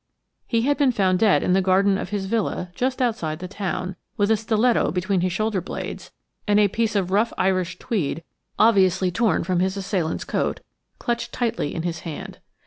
He had been found dead in the garden of his villa just outside the town, with a stiletto between his shoulder blades and a piece of rough Irish tweed, obviously torn from his assailant's coat, clutched tightly in his hand.